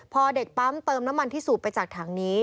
พอเด็กปั๊มเติมน้ำมันที่สูบไปจากถังนี้